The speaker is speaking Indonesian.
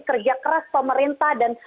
kerja keras pemerintah dan